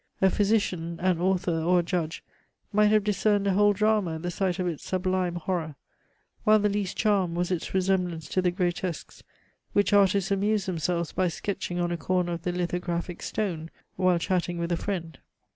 A physician, an author, or a judge might have discerned a whole drama at the sight of its sublime horror, while the least charm was its resemblance to the grotesques which artists amuse themselves by sketching on a corner of the lithographic stone while chatting with a friend.